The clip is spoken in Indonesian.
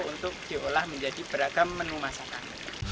untuk diolah menjadi beragam menu masakan